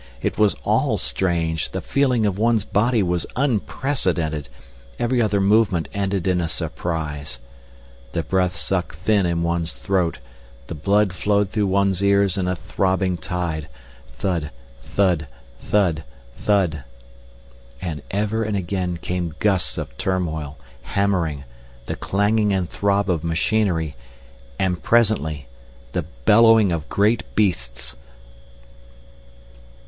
It was all strange, the feeling of one's body was unprecedented, every other movement ended in a surprise. The breath sucked thin in one's throat, the blood flowed through one's ears in a throbbing tide—thud, thud, thud, thud.... And ever and again came gusts of turmoil, hammering, the clanging and throb of machinery, and presently—the bellowing of great beasts!